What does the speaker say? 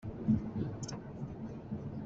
A lu aa huat.